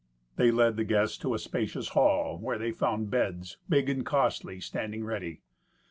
They led the guests to a spacious hall, where they found beds, big and costly, standing ready.